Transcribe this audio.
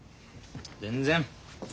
全然。